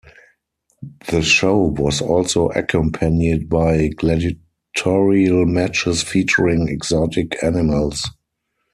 The show was also accompanied by gladiatorial matches featuring exotic animals.